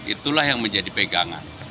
itulah yang menjadi pegangan